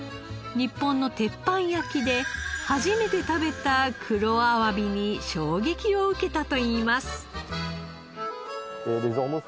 日本の鉄板焼きで初めて食べた黒あわびに衝撃を受けたといいます。